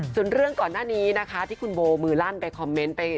ส่วนเรื่องก่อนหน้านี้นะคะที่คุณโบมือลั่นไปคอมเมนต์ไป